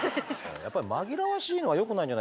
やっぱ紛らわしいのはよくないんじゃないですかヴィランさん。